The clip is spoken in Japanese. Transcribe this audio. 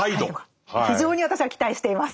非常に私は期待しています。